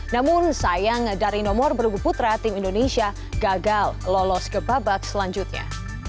namun sayang dari nomor bergu putra tim indonesia gagal lolos ke babak selanjutnya